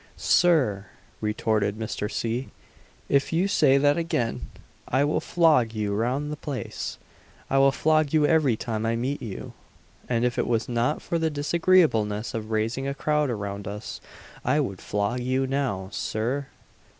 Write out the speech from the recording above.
"Sir!" retorted Mr. C., "if you say that again I will flog you round the place I will flog you every time I meet you; and if it was not for the disagreeableness of raising a crowd around us, I would flog you now, Sir!"